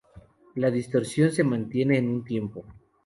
La distorsión se mantiene en un tiempo.